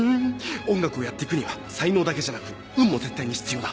音楽をやっていくには才能だけじゃなく運も絶対に必要だ。